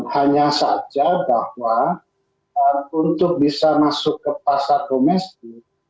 hanya saja bahwa untuk bisa masuk ke pasar domestik